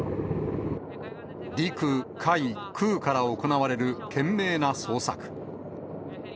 陸、海、空から行われる懸命な捜索。